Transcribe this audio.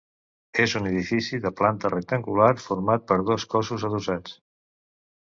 És un edifici de planta rectangular, format per dos cossos adossats.